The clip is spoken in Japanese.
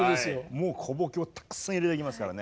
もう小ボケをたくさん入れてきますからね。